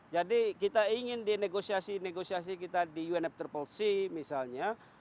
jadi kita ingin di negosiasi negosiasi kita di unfccc misalnya